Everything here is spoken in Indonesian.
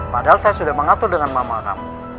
padahal saya sudah mengatur dengan mama kami